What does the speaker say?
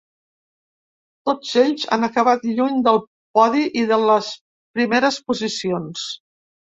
Tots ells han acabat lluny del podi i de les primeres posicions.